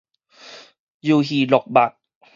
鰇魚鹿肉